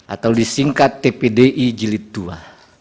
atau disingkat tpdi jilid ii